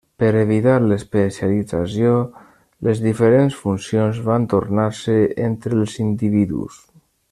Per evitar l'especialització les diferents funcions van tornant-se entre els individus.